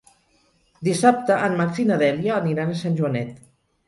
Dissabte en Max i na Dèlia aniran a Sant Joanet.